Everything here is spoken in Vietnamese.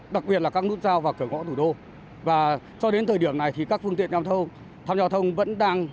đặc biệt là trước cổng bến xe